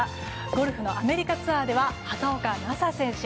ゴルフのアメリカツアーでは畑岡奈紗選手。